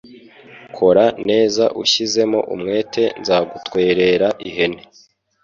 Kora neza ushyizeho umwete nzagutwerera ihene